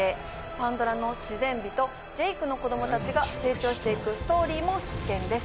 パンドラの自然美とジェイクの子供たちが成長して行くストーリーも必見です。